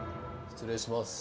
失礼します。